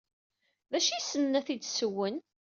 D acu ay ssnen ad t-id-ssewwen?